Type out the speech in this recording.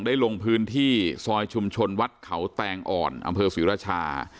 ลงพื้นที่ซอยชุมชนวัดเขาแตงอ่อนอำเภอศรีราชา